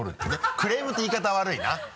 クレームって言い方は悪いな。